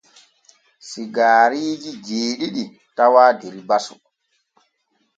Sigaariiji jeeɗiɗi tawaa der basu.